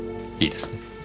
いいですね？